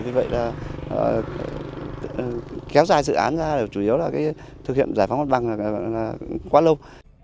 vì vậy là kéo dài dự án ra là chủ yếu là cái thực hiện giải phóng mặt bằng là quá lâu